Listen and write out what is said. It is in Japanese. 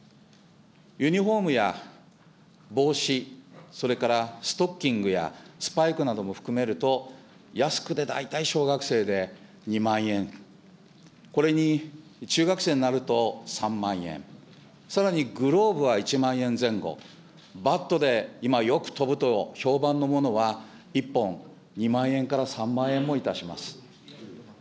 ユニホームや帽子、それからストッキングやスパイクなども含めると、安くて大体小学生で２万円、これに中学生になると３万円、さらにグローブは１万円前後、バットで今、よく飛ぶと評判のものは、１本２万円から３万円もいたします。